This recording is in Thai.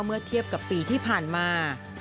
เมื่อเทียบกับปีที่ผ่านมา